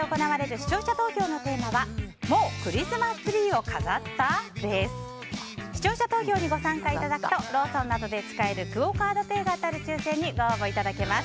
視聴者投票にご参加いただくとローソンなどで使えるクオ・カードペイが当たる抽選にご応募いただけます。